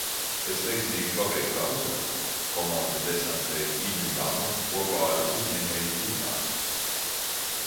Pēc veiksmīgi paveiktā uzdevuma, komanda desantē Iņu Janu kopā ar uzņēmēju Ķīnā.